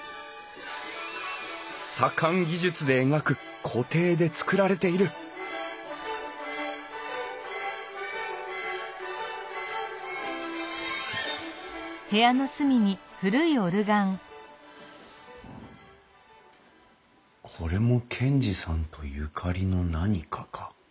左官技術で描く鏝絵で作られているこれも賢治さんとゆかりの何かか？